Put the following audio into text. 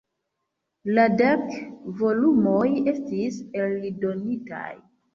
La dek volumoj estis eldonitaj.